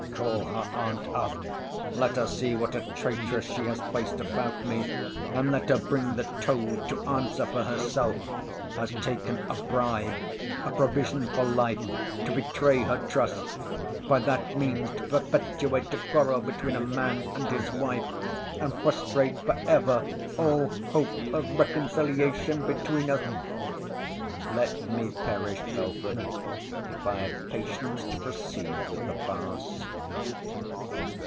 —(call her aunt up!—let her see what a traitress she has placed about me!—and let her bring the toad to answer for herself)—has taken a bribe, a provision for life, to betray her trust; by that means to perpetuate a quarrel between a man and his wife, and frustrate for ever all hopes of reconciliation between us! Let me perish, Belford, if I have patience to proceed with the farce!